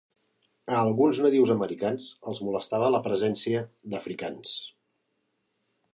A alguns nadius americans els molestava la presència d'africans.